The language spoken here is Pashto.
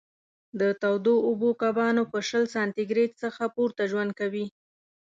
د تودو اوبو کبان په شل سانتي ګرېد څخه پورته ژوند کوي.